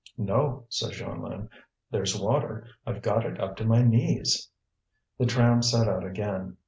"No," said Jeanlin. "There's water, I've got it up to my knees." The tram set out again.